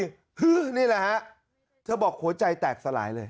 นี่แหละฮะเธอบอกหัวใจแตกสลายเลย